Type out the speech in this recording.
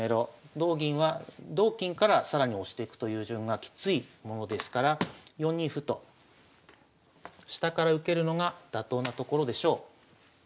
同銀は同金から更に押していくという順がきついものですから４二歩と下から受けるのが妥当なところでしょう。